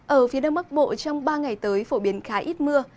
ở phía đông bắc bộ trong ba ngày tới phổ biến khá ít mưa